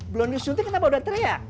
belum disuntik kenapa udah teriak